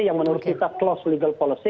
yang menurut kita close legal policy